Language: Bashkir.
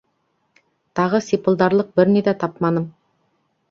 Тағы сипылдарлыҡ бер ни ҙә тапманым.